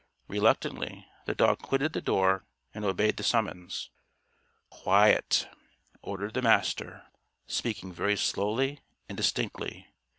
Reluctantly, the dog quitted the door and obeyed the summons. "Quiet!" ordered the Master, speaking very slowly and distinctly.